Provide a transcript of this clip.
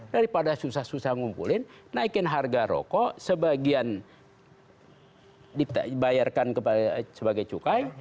daripada susah susah ngumpulin naikin harga rokok sebagian dibayarkan sebagai cukai